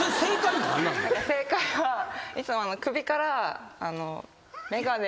正解はいつも首から眼鏡を。